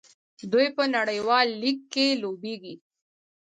دوی په نړیوال لیګ کې لوبېږي.